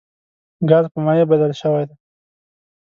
ګاز په مایع بدل شوی دی.